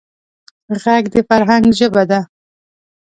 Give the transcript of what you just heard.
غږ د فرهنګ ژبه ده